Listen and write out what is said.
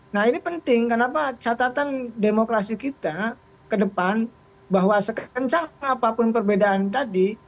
nah ini penting kenapa catatan demokrasi kita ke depan bahwa sekencang apapun perbedaan tadi